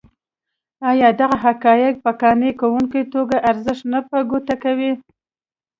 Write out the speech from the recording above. ایا دغه حقایق په قانع کوونکې توګه ارزښت نه په ګوته کوي.